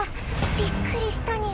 びっくりしたニャ。